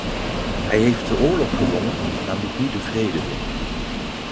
Hij heeft de oorlog gewonnen, maar moet nu de vrede winnen.